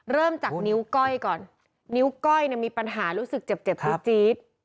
เริ่มจากนิ้วก้อยก่อนนิ้วก้อยเนี่ยมีปัญหารู้สึกเจ็บจี๊ด